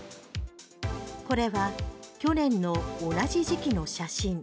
これは去年の同じ時期の写真。